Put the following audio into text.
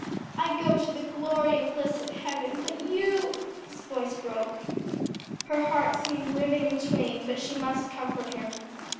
I go to the glory and bliss of heaven, but you " His voice broke. Her heart seemed riven in twain; but she must comfort him.